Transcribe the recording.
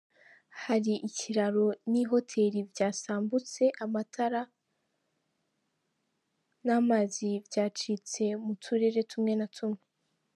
Hari ikiraro n'ihoteli vyasambutse, amatara n'amazi vyacitse mu turere tumwe tumwe.